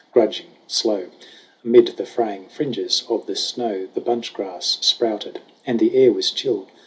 Grudging, slow, Amid the fraying fringes of the snow The bunch grass sprouted; and the air was chill.